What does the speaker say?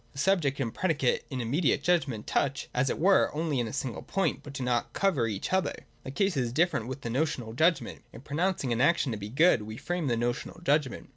The subject and predicate in the immediate judgment touch, as it were, only in a single point, but do not cover each other. The case is different with the notional judgment. In pronouncing an action to be good, we frame a notional judgment.